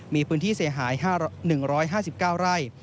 มีพื้นที่เสียหาย๑๕๙ไร่